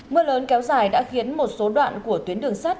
mưa lớn kéo dài đã khiến một số đoạn của tuyến đường sắt